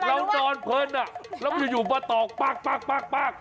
เรานอนเพิ่นอ่ะแล้วอยู่มาตอกปั๊ก